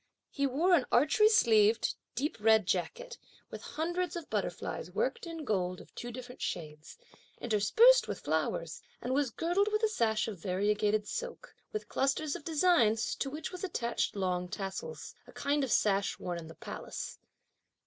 He wore an archery sleeved deep red jacket, with hundreds of butterflies worked in gold of two different shades, interspersed with flowers; and was girded with a sash of variegated silk, with clusters of designs, to which was attached long tassels; a kind of sash worn in the palace.